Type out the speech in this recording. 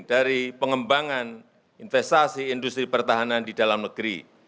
dari pengembangan investasi industri pertahanan di dalam negeri